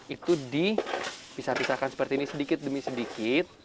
itu dipisah pisahkan seperti ini sedikit demi sedikit